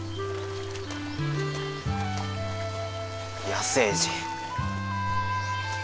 野生児。